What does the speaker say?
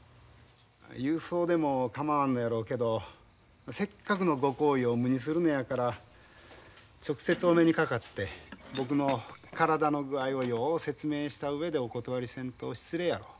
郵送でも構わんのやろうけどせっかくのご厚意を無にするのやから直接お目にかかって僕の体の具合をよう説明した上でお断りせんと失礼やろ。